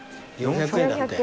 ４００円だって。